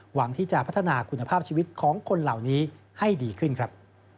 หวังที่จะพัฒนาคุณภาพชีวิตของคนเหล่านี้ให้ดีขึ้นครับ